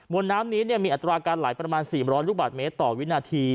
วนน้ำนี้มีอัตราการไหลประมาณ๔๐๐ลูกบาทเมตรต่อวินาที